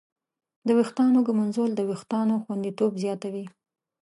د ویښتانو ږمنځول د وېښتانو خوندیتوب زیاتوي.